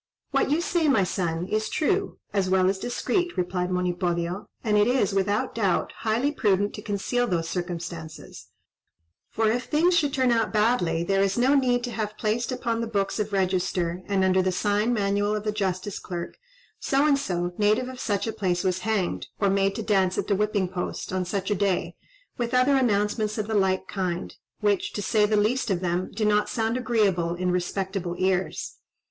"What you say, my son, is true, as well as discreet," replied Monipodio; "and it is, without doubt, highly prudent to conceal those circumstances; for if things should turn out badly, there is no need to have placed upon the books of register, and under the sign manual of the justice clerk, 'So and so, native of such a place, was hanged, or made to dance at the whipping post, on such a day,' with other announcements of the like kind, which, to say the least of them, do not sound agreeable in respectable ears.